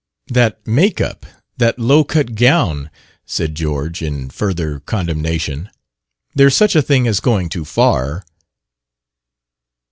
"That make up! That low cut gown!" said George, in further condemnation. "There's such a thing as going too far."